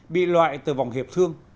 bị loại từ vòng hiệp thương